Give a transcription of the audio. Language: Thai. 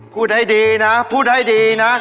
พูดให้ดีนะพูดให้ดีนะ